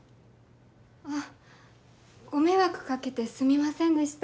あご迷惑掛けてすみませんでした。